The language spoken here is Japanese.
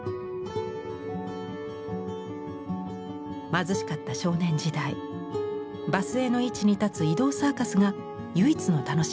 貧しかった少年時代場末の市に立つ移動サーカスが唯一の楽しみでした。